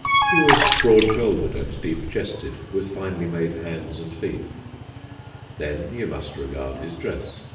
He was broad shouldered and deep chested, with finely made hands and feet. Then you must regard his dress.